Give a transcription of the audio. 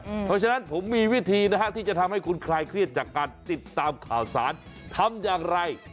เพราะฉะนั้นผมมีวิธีนะฮะที่จะทำให้คุณคลายเครียดจากการติดตามข่าวสารทำอย่างไร